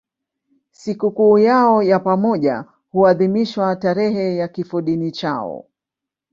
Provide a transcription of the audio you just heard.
Sikukuu yao ya pamoja huadhimishwa tarehe ya kifodini chao.